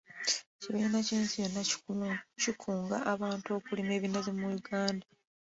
Ekibiina ky'ensi yonna kikunga abantu okulima ebinazi mu Uganda.